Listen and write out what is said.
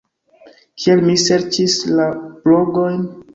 Kiel mi serĉis la blogojn?